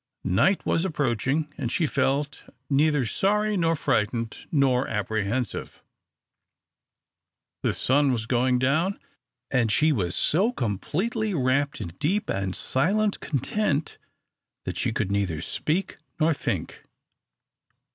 Night was approaching, and she felt neither sorry, nor frightened, nor apprehensive. The sun was going down, and she was so completely wrapped in deep and silent content that she could neither speak nor think.